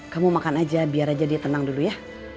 kamu makan aja biar aja dia tenang dulu ya